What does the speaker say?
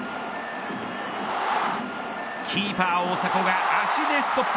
キーパー大迫が足でストップ。